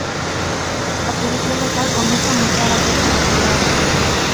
A Policía Local comeza a multar aqueles que os superen.